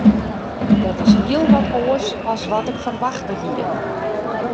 Dat is hiel wat oars as wat ik ferwachte hie.